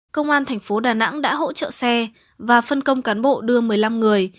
công an thành phố đà nẵng đã hỗ trợ xe và phân công cán bộ đưa một mươi năm người